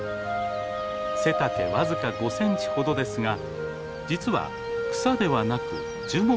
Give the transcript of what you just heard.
背丈僅か５センチほどですが実は草ではなく樹木の仲間です。